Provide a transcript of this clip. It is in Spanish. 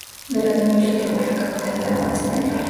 Durante mucho tiempo fue Capitán de la Armada española.